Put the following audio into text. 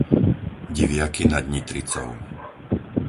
Diviaky nad Nitricou